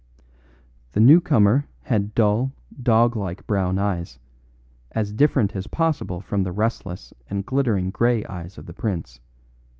The new comer had dull, dog like brown eyes, as different as possible from the restless and glittering grey eyes of the prince.